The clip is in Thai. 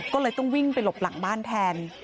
ก็เลยต้องวิ่งไปหลบหลังบ้านแทน